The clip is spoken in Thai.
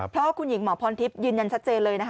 เพราะคุณหญิงหมอพรทิพย์ยืนยันที่เลย